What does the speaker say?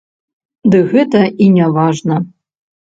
Ды гэта і не важна.